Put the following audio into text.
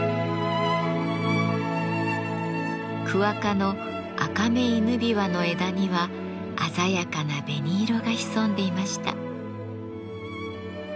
クワ科のアカメイヌビワの枝には鮮やかな紅色が潜んでいました。